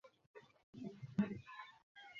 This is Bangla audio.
উমেশ কহিল, পারিব।